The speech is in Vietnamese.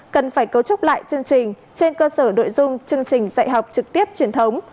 cần phải cấu trúc lại chương trình trên cơ sở nội dung chương trình dạy học trực tiếp truyền thống